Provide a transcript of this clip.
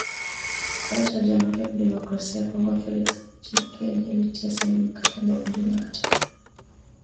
Rais wa Jamhuri ya Kidemokrasia ya Kongo Felix Tchisekedi alitia saini mkataba wa kujiunga, katika hafla iliyofanyika Ikulu ya Nairobi